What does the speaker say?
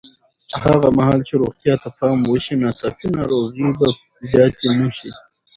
هغه مهال چې روغتیا ته پام وشي، ناڅاپي ناروغۍ به زیاتې نه شي.